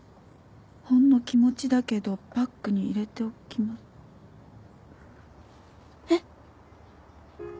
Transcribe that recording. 「ほんの気持ちだけどバッグに入れておきます」えっ。